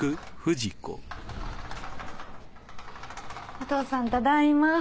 お父さんただいま。